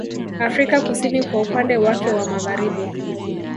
Afrika kusini kwa upande wake wa magharibi